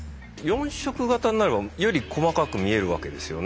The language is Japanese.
４色型になればより細かく見えるわけですよね。